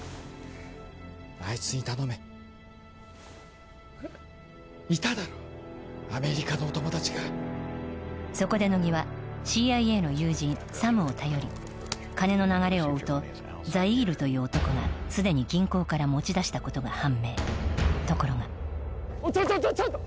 あいつに頼めえっいただろアメリカのお友達がそこで乃木はＣＩＡの友人・サムを頼り金の流れを追うとザイールという男がすでに銀行から持ち出したことが判明ところがちょちょちょちょっと！